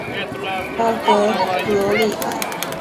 拉格罗利埃。